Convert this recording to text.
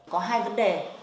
có hai vấn đề